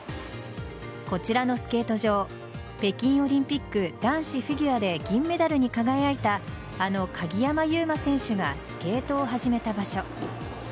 こちらのスケート場北京オリンピック男子フィギュアで銀メダルに輝いたあの鍵山優真選手がスケートを始めた場所。